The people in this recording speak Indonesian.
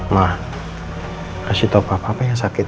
ma kasih tau papa apa yang sakit